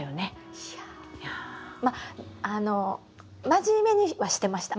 いやまあ真面目にはしてました。